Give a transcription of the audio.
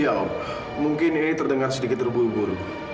ya mungkin ini terdengar sedikit terburu buru